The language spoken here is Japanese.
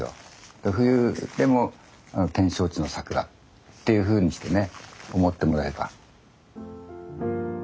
で冬でも展勝地の桜っていうふうにしてね思ってもらえば。